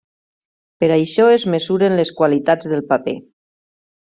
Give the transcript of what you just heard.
Per a això es mesuren les qualitats del paper.